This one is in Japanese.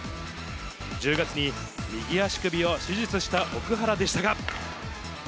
１０月に右足首を手術した奥原でしたが。